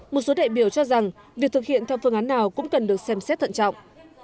một số đại biểu cho rằng việc thực hiện theo phương án nào cũng cần được xem xét thận trọng